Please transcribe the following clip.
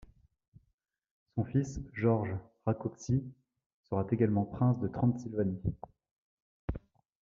Son fils Georges Rákóczi sera également prince de Transylvanie.